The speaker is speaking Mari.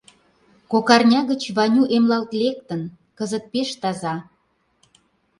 Кок арня гыч Ваню эмлалт лектын, кызыт пеш таза...